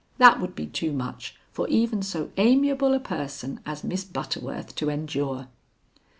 That would be too much for even so amiable a person as Miss Butterworth to endure."